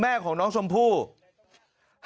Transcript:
แล้วคิดว่าไม่ได้